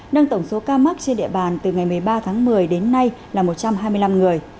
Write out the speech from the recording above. nâng tổng số ca mắc trên địa bàn từ ngày một mươi ba tháng một mươi đến nay là một trăm hai mươi năm người